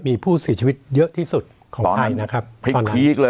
มีผู้สิทธิ์ชีวิตเยอะที่สุดของไทยนะครับตอนนั้นพลีกพลีกเลย